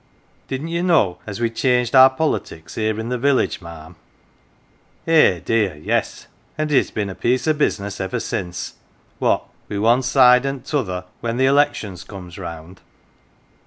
Didn't ye know as we'd changed our politics here in the village, ma'am ? Eh dear, yes ; and it has been a piece of business ever since, what with one side an' t'other when the elections comes round.